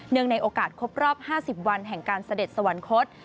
ในโอกาสครบรอบ๕๐วันแห่งการเสด็จสวรรคต